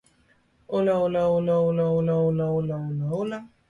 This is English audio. Its members consider these qualities to be key to the group's endurance.